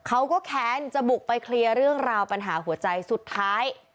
เขาก็แค้นจะบุกไปเคลียร์เรื่องราวปัญหาหัวใจสุดท้าย